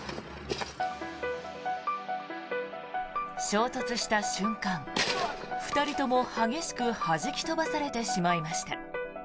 衝突した瞬間、２人とも激しくはじき飛ばされてしまいました。